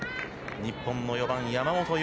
日本の４番山本優。